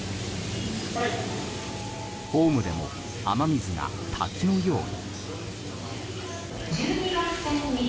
ホームでも雨水が滝のように。